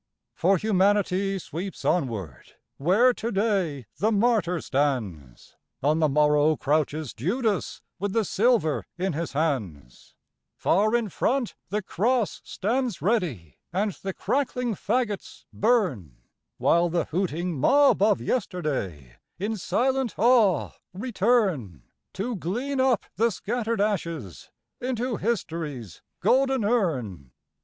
For Humanity sweeps onward: where to day the martyr stands, On the morrow crouches Judas with the silver in his hands; Far in front the cross stands ready and the crackling fagots burn, While the hooting mob of yesterday in silent awe return To glean up the scattered ashes into History's golden urn.